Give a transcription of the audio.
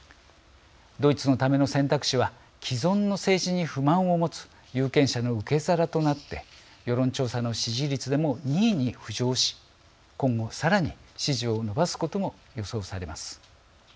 ドイツのための選択肢は既存の政治に不満を持つ有権者の受け皿となって世論調査の支持率でも２位に浮上し今後、さらに支持を伸ばすことも予想されます。